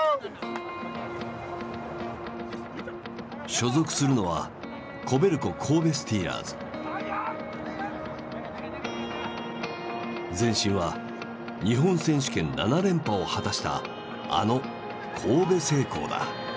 所属するのは前身は日本選手権７連覇を果たしたあの神戸製鋼だ。